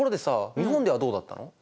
日本ではどうだったの？